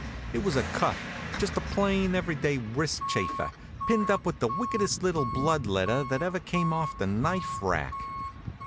It was a cuff, just a plain, every day wrist chafer, pinned up with the wickedest little blood letter that ever came off the knife rack.